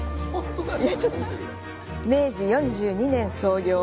明治４２年創業。